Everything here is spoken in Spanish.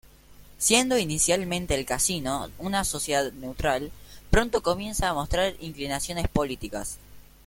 Siendo inicialmente el Casino una sociedad neutral, pronto comienza a mostrar inclinaciones políticas.